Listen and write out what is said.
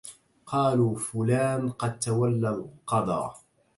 قالوا فلان قد تولى القضا